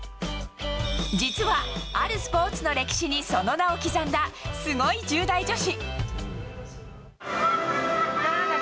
実はあるスポーツの歴史にその名を刻んだスゴい１０代女子。